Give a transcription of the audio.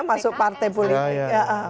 masuk partai politik